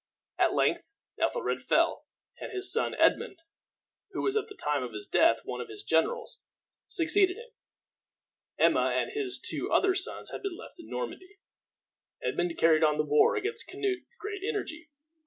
At length Ethelred fell, and his son Edmund, who was at the time of his death one of his generals, succeeded him. Emma and his two other sons had been left in Normandy. Edmund carried on the war against Canute with great energy.